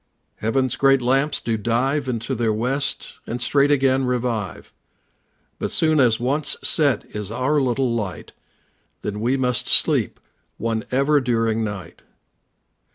Heaven's great lamps do dive Into their west, and straight again revive, But soon as once set is our little light, Then must we sleep one ever during night.